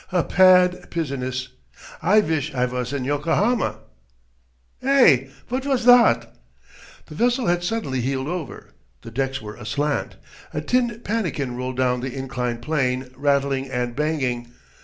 "A pad piziness. I vish I vas in Yokohama. Eh? Vot vas dot?" The vessel had suddenly heeled over. The decks were aslant. A tin pannikin rolled down the inclined plane, rattling and banging.